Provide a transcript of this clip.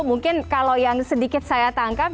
mungkin kalau yang sedikit saya tangkap